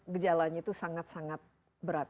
gejalanya itu sangat sangat berat